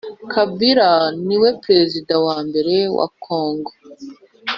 Kabira niwe president wambere wa congo